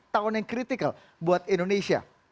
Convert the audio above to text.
tahun yang kritikal buat indonesia